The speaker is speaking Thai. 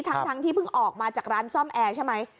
ทั้งที่เพิ่งออกมาจากร้านซ่อมแอร์ใช่ไหม